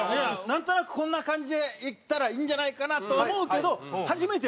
なんとなくこんな感じでいったらいいんじゃないかな？と思うけど初めてやるから。